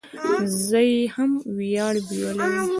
زه یې هم وړیا بیولې وم.